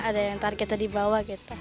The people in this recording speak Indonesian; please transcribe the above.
ada yang targetnya di bawah gitu